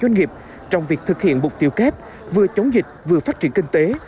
doanh nghiệp trong việc thực hiện mục tiêu kép vừa chống dịch vừa phát triển kinh tế